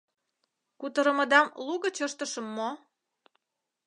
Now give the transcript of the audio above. Кутырымыдам лугыч ыштышым мо?